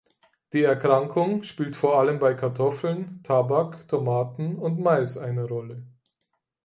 Die Erkrankung spielt vor allem bei Kartoffeln, Tabak, Tomaten und Mais eine Rolle.